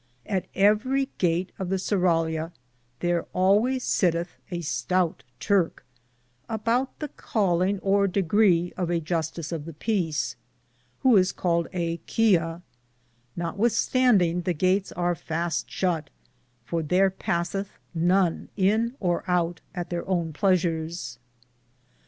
At everie gate of the surralia thare alwayes sitethe a stoute Turke, abute the calinge or degre of a justis of the peace, who is caled a chia ; not withstandinge, the gates ar faste shut, for thare pasethe none in or oute at ther owne pleasures.